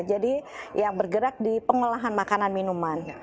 jadi yang bergerak di pengelolaan makanan minuman